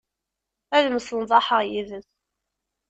Ad msenḍaḥeɣ yid-s.